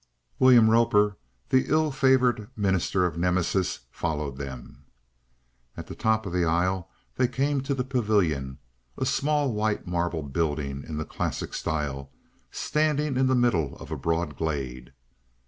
William Roper, the ill favoured minister of Nemesis, followed them. At the top of the aisle they came to the pavilion, a small white marble building in the Classic style, standing in the middle of a broad glade.